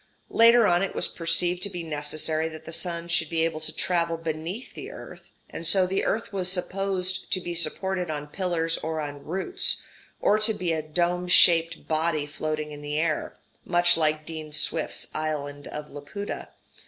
Later on it was perceived to be necessary that the sun should be able to travel beneath the earth, and so the earth was supposed to be supported on pillars or on roots, or to be a dome shaped body floating in air much like Dean Swift's island of Laputa.